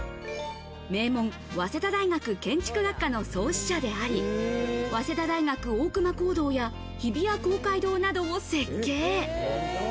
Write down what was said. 名門早稲田大学建築学科の創始者であり、早稲田大学大隈講堂や日比谷公会堂などを設計。